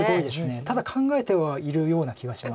ただ考えてはいるような気がします。